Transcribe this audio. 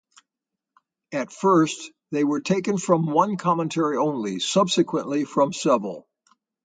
At first, they were taken from one commentary only, subsequently from several.